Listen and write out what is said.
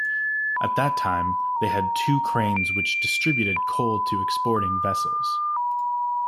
At that time, they had two cranes which distributed coal to exporting vessels.